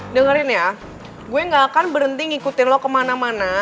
dengerin ya gue gak akan berhenti ngikutin lo kemana mana